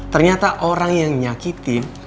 ternyata orang yang nyakitin